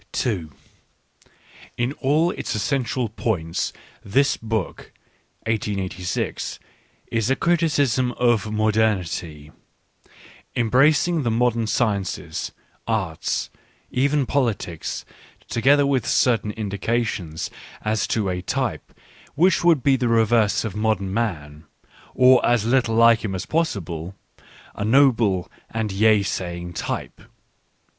v In all its essential points, this book (1886) is a criticism of modernity^ embracing the modern sciences, arts, even politics, together with certain indications as to a type which would be the reverse of modern man, or as little like him as possible, a noble and yea saying type.